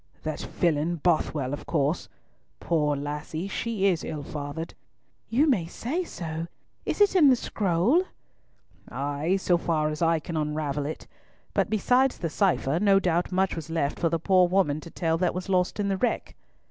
"That villain, Bothwell, of course. Poor lassie, she is ill fathered!" "You may say so. Is it in the scroll?" "Ay! so far as I can unravel it; but besides the cipher no doubt much was left for the poor woman to tell that was lost in the wreck."